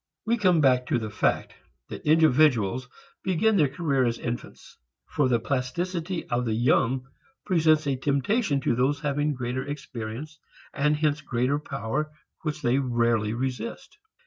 We come back to the fact that individuals begin their career as infants. For the plasticity of the young presents a temptation to those having greater experience and hence greater power which they rarely resist.